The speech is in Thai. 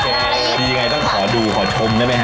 อ๋อค่ะดีไงต้องขอดูขอชมได้ไหมฮะ